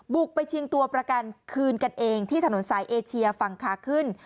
บุกไปชิงตัวประกันคืนกันเองที่ถนนสายเอเชียฝั่งขาขึ้น